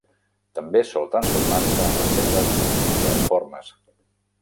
També sol transformar-se en les seves múltiples formes.